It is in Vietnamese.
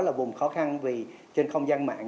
là vùng khó khăn vì trên không gian mạng